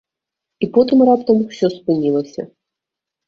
І потым раптам усё спынілася.